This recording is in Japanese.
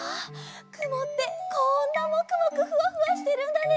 くもってこんなもくもくふわふわしてるんだね。